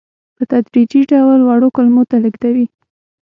په تدریجي ډول وړو کولمو ته لېږدوي.